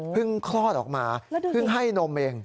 คลอดออกมาเพิ่งให้นมเอง